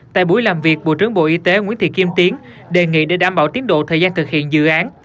tại buổi làm việc bộ trưởng bộ y tế nguyễn thị kim tiến đề nghị để đảm bảo tiến độ thời gian thực hiện dự án